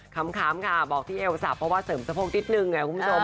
คำค่ะบอกที่เอวสับเพราะว่าเสริมสะโพกนิดนึงไงคุณผู้ชม